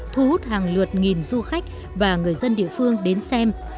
thu hút hàng lượt nghìn du khách và người dân địa phương đến xem